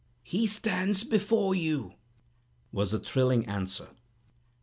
"He stands before you!" was the thrilling answer.